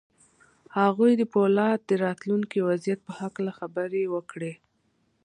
هغه د پولادو د راتلونکي وضعیت په هکله خبرې وکړې